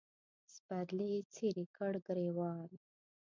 سپرلي څیرې کړ ګرېوان